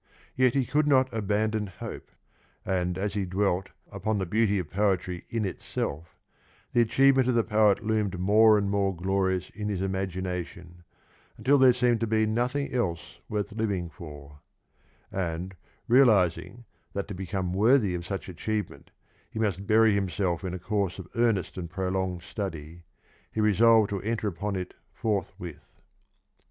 Yet he could not abandon hope ; and as he dwelt upon the beauty of poetry in itself, the achievement of the poet loomed more and more oflorious in his imao^ination until there seemed to be nothing else worth living for; and, realising that to become worthy of such achievement he must bury himself in a course of earnest and prolonged study, he resolved to enter upon it forthwith.